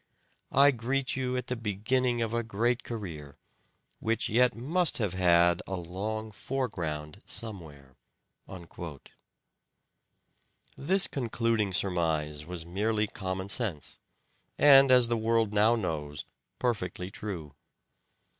I greet you at the beginning of a great career, which yet must have had a long fore ground somewhere." This concluding surmise was merely common sense, and, as the world now knows, perfectly true.